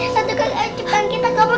satu kali ayo cepetan kita kabur